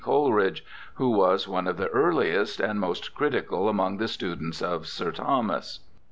Coleridge, who was one of the earliest and most critical among the students of Sir Thomas.